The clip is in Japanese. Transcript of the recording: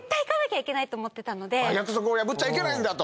約束を破っちゃいけないんだと？